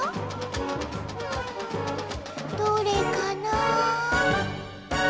うんどれかな？